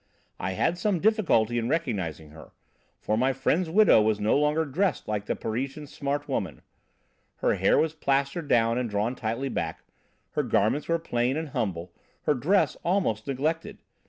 I had some difficulty in recognising her, for my friend's widow was no longer dressed like the Parisian smart woman. Her hair was plastered down and drawn tightly back, her garments were plain and humble, her dress almost neglected.